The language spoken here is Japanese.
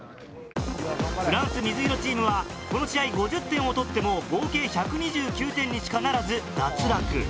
フランス水色チームはこの試合５０点を取っても合計１２９点にしかならず脱落。